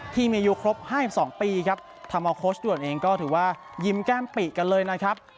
ที่มีอายุครบ๕๒ปีครับทำเอาโค้ชด่วนเองก็ถือว่ายิ้มแก้มปิกันเลยนะครับ